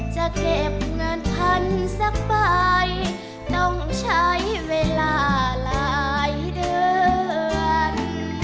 จะเก็บเงินพันสักใบต้องใช้เวลาหลายเดือน